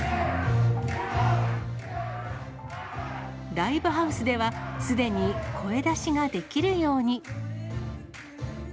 ライブハウスでは、すでに声出しができるように。